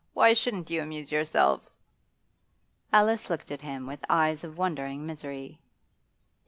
Why shouldn't you amuse yourself?' Alice looked at him with eyes of wondering misery.